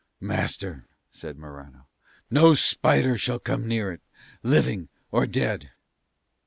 "Master," said Morano, "no spider shall come near it, living or dead."